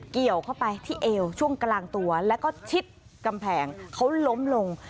เกี่ยวเข้าไปที่เอวช่วงกลางตัวแล้วก็ชิดกำแพงเขาล้มลง